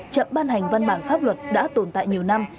chậm ban hành văn bản pháp luật đã tồn tại nhiều năm